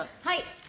はい。